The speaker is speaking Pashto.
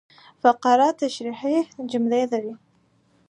فقره تشریحي جملې لري.